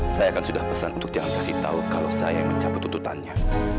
saya akan sudah pesan untuk jangan kasih tahu kalau saya yang mencabut tuntutannya